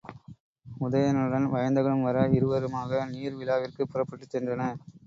உதயணனுடன் வயந்தகனும் வர, இருவருமாக நீர் விழாவிற்குப் புறப்பட்டுச் சென்றனர்.